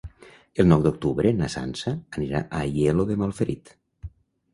El nou d'octubre na Sança anirà a Aielo de Malferit.